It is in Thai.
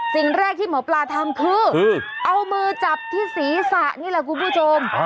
สิ่งแรกที่หมอปลาทำคือเอามือจับที่ศีรษะนี่แหละคุณผู้ชม